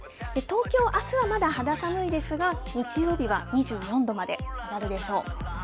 東京、あすはまだ肌寒いですが、日曜日は２４度まで上がるでしょう。